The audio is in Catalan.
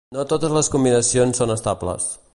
No totes les combinacions són estables.